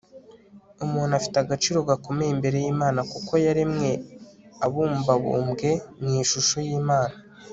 umuntu afite agaciro gakomeye imbere y'imana, kuko yaremwe abumbabumbwe mu ishusho y'imana